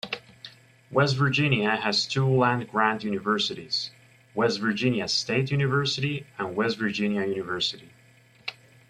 West Virginia has two land-grant universities: West Virginia State University and West Virginia University.